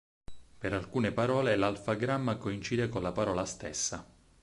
Per alcune parole, l'alfagramma coincide con la parola stessa.